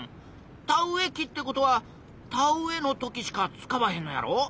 田植え機ってことは田植えの時しか使わへんのやろ？